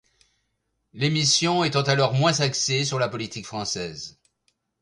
L'émission étant alors moins axée sur la politique française.